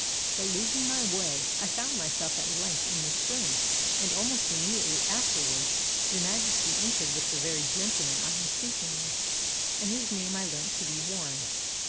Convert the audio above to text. But, losing my way, I found myself at length in this room; and almost immediately afterwards your Majesty entered with the very gentleman I am speaking of, and whose name I learnt to be Warren.